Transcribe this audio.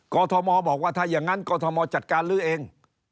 กอธอมอร์บอกว่าถ้าอย่างนั้นกอธอมอร์จัดการลื้อเอง